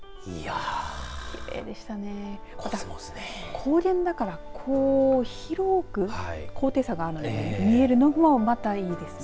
高原だからこう広く高低差があるように見えるのもまたいいですよね。